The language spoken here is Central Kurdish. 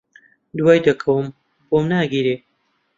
دوای دەکەوم، بۆم ناگیرێ